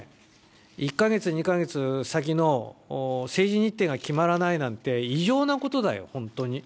１か月、２か月先の政治日程が決まらないなんて、異常なことだよ、本当に。